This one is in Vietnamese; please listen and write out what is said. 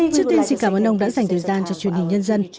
trước tiên xin cảm ơn ông đã dành thời gian cho truyền hình nhân dân